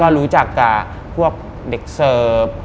รู้จักกับพวกเด็กเสิร์ฟ